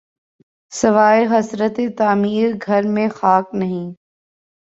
سواے حسرتِ تعمیر‘ گھر میں خاک نہیں